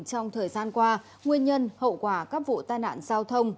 trong thời gian qua nguyên nhân hậu quả các vụ tai nạn giao thông